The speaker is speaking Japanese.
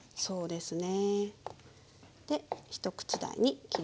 そうですね！